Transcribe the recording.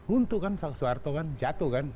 untuk kan soeharto kan jatuh kan